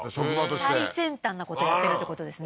最先端なことをやってるってことですね